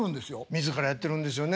自らやってるんですよね。